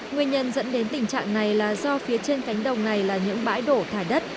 nguyên nhân dẫn đến tình trạng này là do phía trên cánh đồng này là những bãi đổ thải đất